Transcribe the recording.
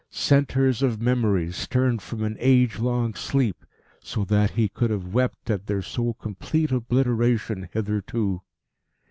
Centres of memory stirred from an age long sleep, so that he could have wept at their so complete obliteration hitherto.